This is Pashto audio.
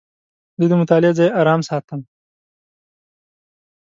زه د مطالعې ځای آرام ساتم.